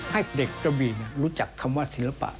ให้เด็กกระบี่รู้จักคำว่าศิลปะ